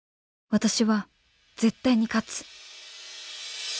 私は絶対に勝つ。